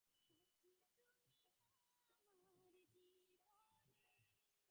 এই ফলভোগ হইয়া গেলে তাহারা আবার পৃথিবীতে আসিয়া জন্মগ্রহণ করে।